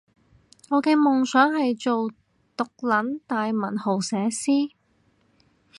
我嘅夢想係做毒撚大文豪寫詩